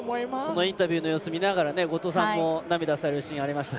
インタビューの様子見ながら後藤さんも涙されていました。